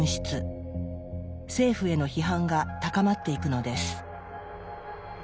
政府への批判が高まっていくのです。